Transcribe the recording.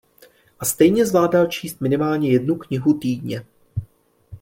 A stejně zvládal číst minimálně jednu knihu týdně.